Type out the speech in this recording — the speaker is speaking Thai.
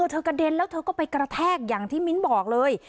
กระเด็นแล้วเธอก็ไปกระแทกอย่างที่มิ้นบอกเลย